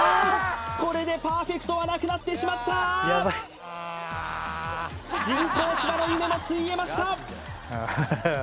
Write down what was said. これでパーフェクトはなくなってしまった人工芝の夢もついえました